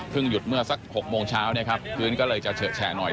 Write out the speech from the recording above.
หยุดเมื่อสัก๖โมงเช้าเนี่ยครับพื้นก็เลยจะเฉอะแฉะหน่อย